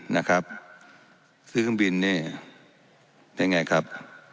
นะครับซื้อเครื่องบินนี่เป็นไงครับ